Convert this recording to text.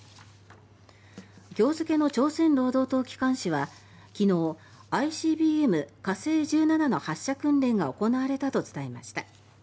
今日付の朝鮮労働党機関紙は昨日ＩＣＢＭ、火星１７の発射訓練が行われたと伝えました。